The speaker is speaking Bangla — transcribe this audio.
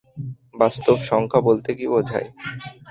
বাস্তব সংখ্যা বলতে কী বোঝায়?